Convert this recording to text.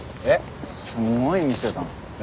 えっすごい店だな。